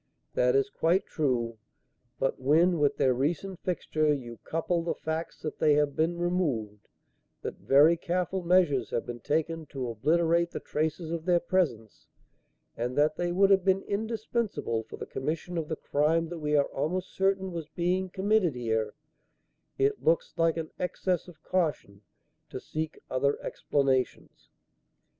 "That is quite true. But when, with their recent fixture, you couple the facts that they have been removed, that very careful measures have been taken to obliterate the traces of their presence, and that they would have been indispensable for the commission of the crime that we are almost certain was being committed here, it looks like an excess of caution to seek other explanations."